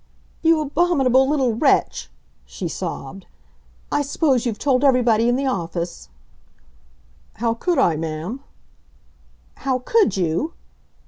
"You abominable little wretch!" she sobbed. "I suppose you've told everybody in the office." "How could I, ma'am?" "How could you?"